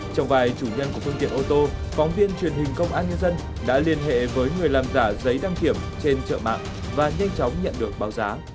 trong vài chủ nhân của phương tiện ô tô phóng viên truyền hình công an nhân dân đã liên hệ với người làm giả giấy đăng kiểm trên chợ mạng và nhanh chóng nhận được báo giá